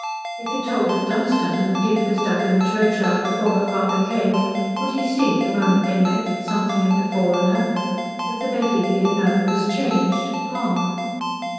If it tolled at Dunstan and the pit was dug in the churchyard before her father came, would he see, the moment they met, that something had befallen her that the Betty he had known was changed gone?